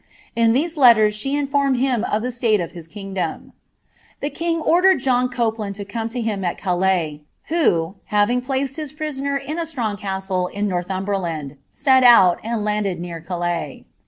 In these letters she nlbrmed him of the state of his kingdom. The king then ordered John Copeland to come to him at Calais, who, mwkig plaoNl his prisoner in a strong castle in Northumberland, set out, nd landed near Calais.